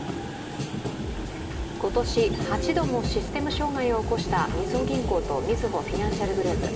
今年８度もシステム障害を起こしたみずほ銀行とみずほフィナンシャルグループ。